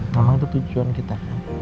namanya tujuan kita